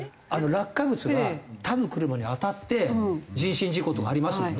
落下物が他の車に当たって人身事故とかありますもんね。